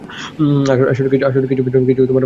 আসলে, কিছু পেতে হলে কিছু হারাতেও হয়।